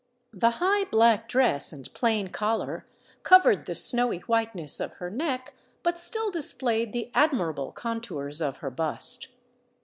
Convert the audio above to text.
The high black dress and plain collar covered the snowy whiteness of her neck, but still displayed the admirable contours of her bust.